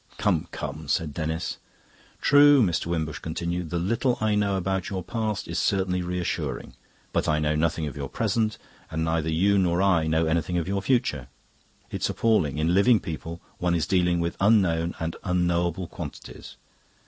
"Come, come," said Denis. "True," Mr. Wimbush continued, "the little I know about your past is certainly reassuring. But I know nothing of your present, and neither you nor I know anything of your future. It's appalling; in living people, one is dealing with unknown and unknowable quantities.